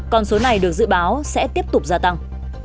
con số này được dự báo sẽ tiếp tục gia tăng